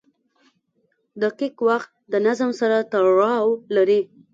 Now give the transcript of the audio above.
• دقیق وخت د نظم سره تړاو لري.